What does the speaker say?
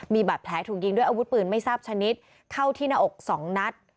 มีบาดแผลถูกยิงด้วยอาวุธปืนไม่ทราบชนิดเข้าที่หน้าอก๒นัด